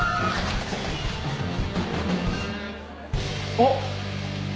あっ。